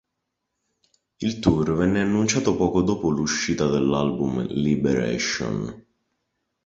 Il tour venne annunciato poco dopo l'uscita dell'album "Liberation".